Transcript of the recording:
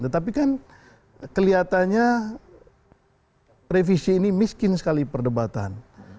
tetapi kan kelihatannya revisi ini miskin sekali perdebatan